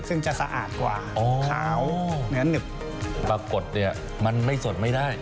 ซึ่งจะสะอาดกว่าอ๋อขาวงั้นหนึบปรากฏเนี่ยมันไม่สดไม่ได้